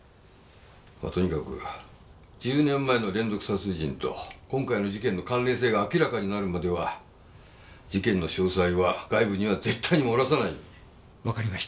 まあとにかく１０年前の連続殺人と今回の事件の関連性が明らかになるまでは事件の詳細は外部には絶対に漏らさないように。